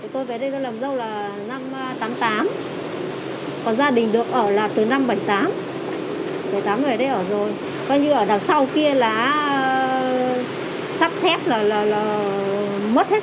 tôi về đây làm dâu là năm tám mươi tám